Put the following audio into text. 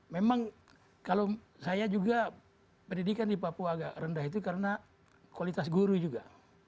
memang kalau saya juga pendidikan di papua agak rendah itu karena kualitas guru juga